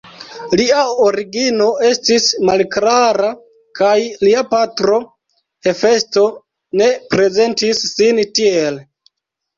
Lia origino estis malklara kaj lia patro Hefesto ne prezentis sin tiel.